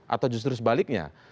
atau justru sebaliknya